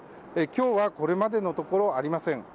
今日はこれまでのところありません。